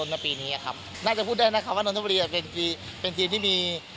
น่าจะพูดได้นะครับว่านนทบุรีเป็นทีมที่มี